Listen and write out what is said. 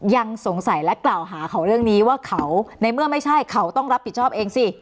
ยังสงสัยและกล่าวหาเขาเรื่องนี้ว่าเขาในเมื่อไม่ใช่เขาต้องรับผิดชอบเองสิ